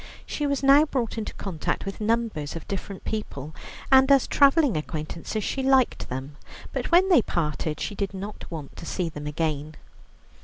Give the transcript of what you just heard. She was now brought into contact with numbers of different people, and as travelling acquaintances she liked them, but when they parted, she did not want to see them again.